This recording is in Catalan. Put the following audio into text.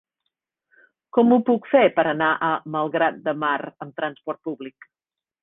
Com ho puc fer per anar a Malgrat de Mar amb trasport públic?